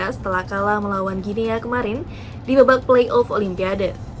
setelah kalah melawan ginia kemarin di babak playoff olimpiade